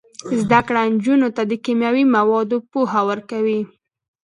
زده کړه نجونو ته د کیمیاوي موادو پوهه ورکوي.